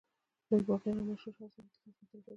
لوی باغیان او مشهور شخصیتونه دلته ساتل کېدل.